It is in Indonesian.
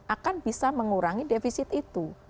akan bisa mengurangi defisit itu